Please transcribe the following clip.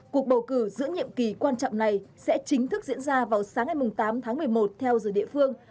cuộc bầu cử giữa nhiệm kỳ quan trọng này sẽ chính thức diễn ra vào sáng ngày tám tháng một mươi một theo giờ địa phương